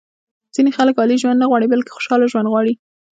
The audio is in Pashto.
ځینې خلک عالي ژوند نه غواړي بلکې خوشاله ژوند غواړي.